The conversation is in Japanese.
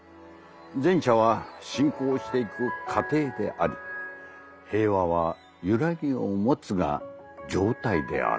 前者は進行していく『過程』であり平和はゆらぎを持つが『状態』である」。